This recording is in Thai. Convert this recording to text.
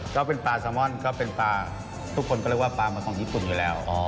ก็เป็นปลาซามอนก็เป็นปลาทุกคนก็เรียกว่าปลามาของญี่ปุ่นอยู่แล้ว